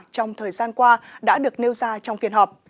trong thời gian qua đã được nêu ra trong phiên họp